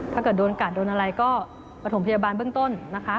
ถ้าเกิดโดนกัดโดนอะไรก็ประถมพยาบาลเบื้องต้นนะคะ